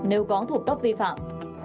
nếu có thủ tốc vi phạm